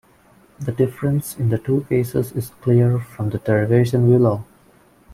The difference in the two cases is clear from the derivation below.